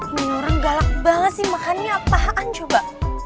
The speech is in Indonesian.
ini orang galak banget sih makannya apaan coba